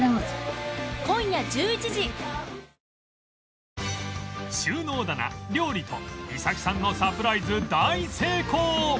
わかるぞ収納棚料理と衣咲さんのサプライズ大成功！